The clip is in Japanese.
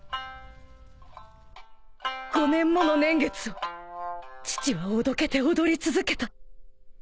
５年もの年月を父はおどけて踊り続けた。